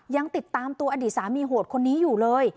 ยังติดตามตัวอดีตสามีโหดคนนี้อยู่เลย